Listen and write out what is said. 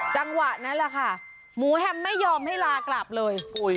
จังหวะนั้นแหละค่ะหมูแฮมไม่ยอมให้ลากลับเลย